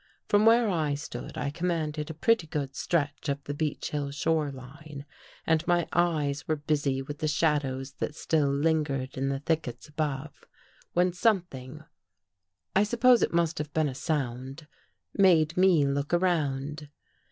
From where I stood I commanded a pretty good stretch of the Beech Hill shore line and my eyes were busy with the shadows that still lingered in the thickets above, when something — I suppose 311 THE GHOST GIRE it must have been a sound — made me look around.